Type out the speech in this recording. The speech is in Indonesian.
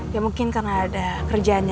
ya mungkin karena ada kerjanya